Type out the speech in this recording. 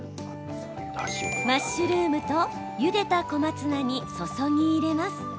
マッシュルームとゆでた小松菜に注ぎ入れます。